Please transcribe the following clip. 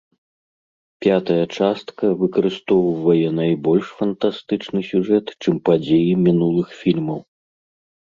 Пятая частка выкарыстоўвае найбольш фантастычны сюжэт, чым падзеі мінулых фільмаў.